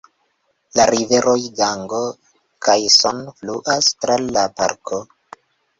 La riveroj Gango kaj Son fluas tra la parko.